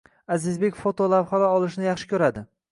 Azizbek foto lavhalar olishni yaxshi ko'radi